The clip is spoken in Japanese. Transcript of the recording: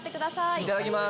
いただきます。